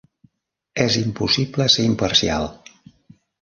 És impossible ser imparcial.